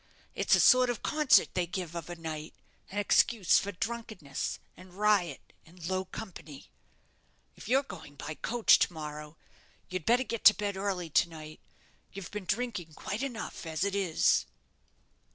It's a sort of concert they give of a night; an excuse for drunkenness, and riot, and low company. If you're going by the coach to morrow, you'd better get to bed early to night. You've been drinking quite enough as it is."